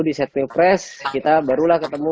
di setmil press kita barulah ketemu